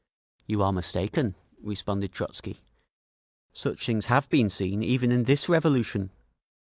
"You are mistaken," responded Trotzky. "Such things have been seen even in this revolution.